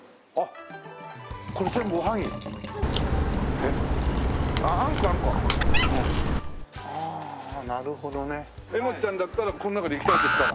えもっちゃんだったらこの中でいきたいとしたら？